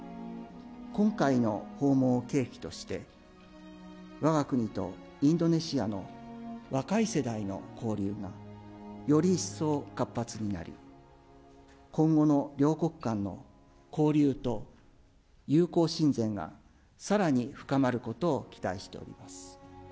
今回の訪問を契機として、わが国とインドネシアの若い世代の交流がより一層活発になり、今後の両国間の交流と友好親善がさらに深まることを期待しております。